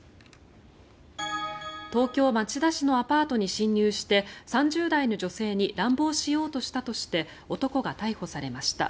東京・町田市のアパートに侵入して３０代の女性に乱暴しようとしたとして男が逮捕されました。